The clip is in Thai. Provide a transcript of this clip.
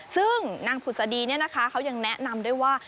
ซึ่งนางพุทธศดีเนี่ยนะคะเขายังแนะนำด้วยว่า